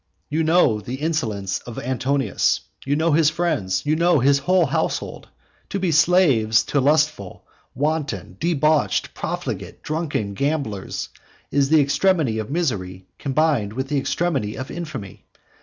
You know the insolence of Antonius; you know his friends; you know his whole household. To be slaves to lustful, wanton, debauched, profligate, drunken gamblers, is the extremity of misery combined with the extremity of infamy.